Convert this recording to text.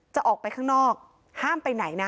จะออกไปข้างนอกห้ามไปไหนนะ